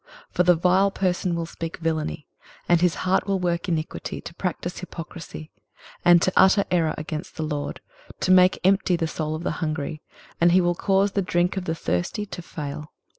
23:032:006 For the vile person will speak villany, and his heart will work iniquity, to practise hypocrisy, and to utter error against the LORD, to make empty the soul of the hungry, and he will cause the drink of the thirsty to fail.